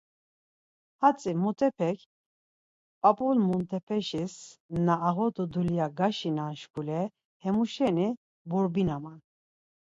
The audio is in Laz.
Hatzi mtutepek p̌ap̌ul muntepeşis na ağodu dulya gaşinan şkule hemuşeni burbinaman.